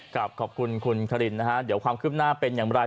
ขอบคุณคุณคารินนะฮะเดี๋ยวความคืบหน้าเป็นอย่างไร